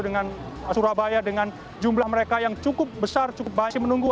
dengan surabaya dengan jumlah mereka yang cukup besar cukup banyak menunggu